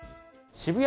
渋谷